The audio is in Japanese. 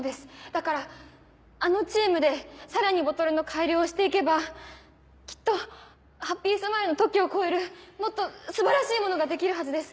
だからあのチームでさらにボトルの改良をしていけばきっとハッピースマイルの特許を超えるもっと素晴らしいものができるはずです。